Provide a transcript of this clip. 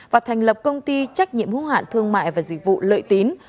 và thành lập công ty trách nhiệm hữu hạn thương mại và dịch vụ lợi tín